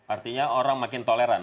artinya orang makin toleran